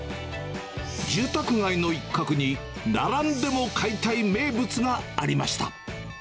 住宅街の一角に並んでも買いたい名物がありました。